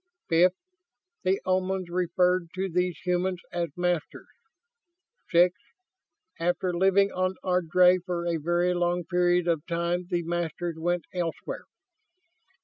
Fifth, the Omans referred to those humans as 'Masters.' Sixth, after living on Ardry for a very long period of time the Masters went elsewhere.